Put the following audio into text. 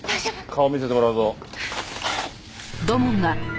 顔見せてもらうぞ。